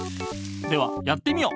ではやってみよ。